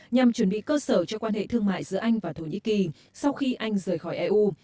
nhằm chuẩn bị cơ sở cho quan hệ thương mại giữa anh và thổ nhĩ kỳ sau khi anh rời khỏi eu